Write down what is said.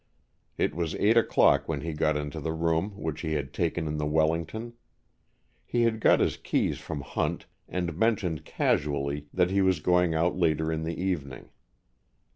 It was eight o'clock when he got into the room which he had taken in the Wellington. He had got his keys from Hunt and mentioned casually that he was going out later in the evening.